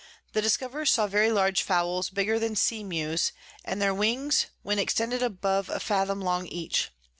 The Discoverers saw very large Fowls bigger than Sea Mews, and their Wings when extended above a Fathom long each.